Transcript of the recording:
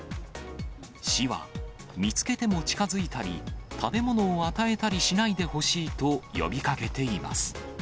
市は、見つけても近づいたり、食べ物を与えたりしないでほしいと呼びかけています。